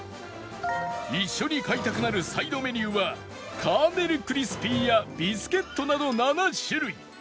一緒に買いたくなるサイドメニューはカーネルクリスピーやビスケットなど７種類